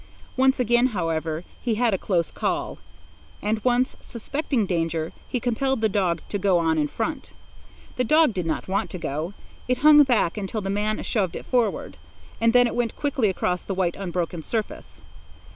Once again, however, he had a close call; and once, suspecting danger, he compelled the dog to go on in front. The dog did not want to go. It hung back until the man shoved it forward, and then it went quickly across the white, unbroken surface.